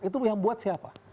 itu yang buat siapa